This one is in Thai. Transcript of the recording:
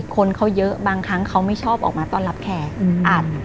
คนเขาเยอะบางครั้งเขาไม่ชอบออกมาต้อนรับแขกอ่าน